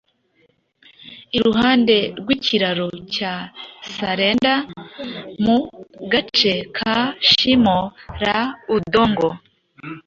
iruhande rw’ikiraro cya Salender mu gace ka Shimo la Udongo